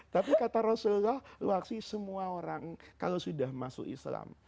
tapi kata rasulullah luaksi semua orang kalau sudah masuk islam